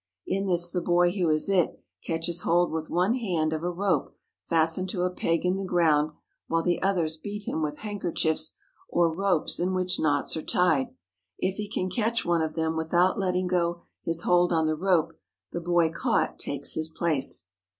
" In this the boy who is "it" catches hold with one hand of a rope fastened to a peg in the ground while the others beat him with handkerchiefs or ropes in which knots are tied. If he can catch one of them without letting go his hold on the rope the boy caught takes his place.